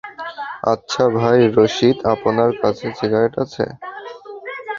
আচ্ছা ভাই রশিদ, আপনার কাছে সিগারেট আছে?